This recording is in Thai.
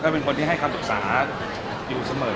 เป็นคนที่ให้คำปรึกษาอยู่เสมอ